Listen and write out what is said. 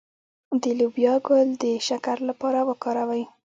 د لوبیا ګل د شکر لپاره وکاروئ